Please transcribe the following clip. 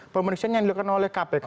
pemeriksaan yang dilakukan oleh kpk